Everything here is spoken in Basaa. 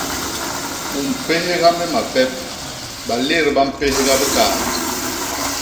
U mpégha me mapep; balét ba mpégha bikaat.